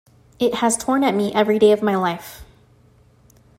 It has torn at me every day of my life.